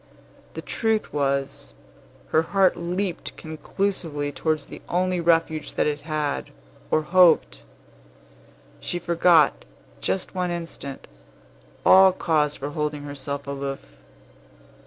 The truth was, her heart leaped conclusively towards the only refuge that it had, or hoped. She forgot, just one instant, all cause for holding herself aloof.